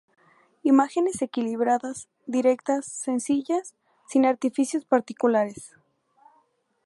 Imágenes equilibradas, directas, sencillas, sin artificios particulares.